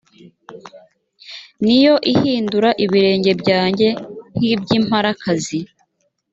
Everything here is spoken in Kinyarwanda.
ni yo ihindura ibirenge byanjye nk iby imparakazi